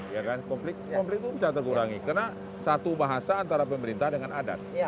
ya kan konflik itu bisa terkurangi karena satu bahasa antara pemerintah dengan adat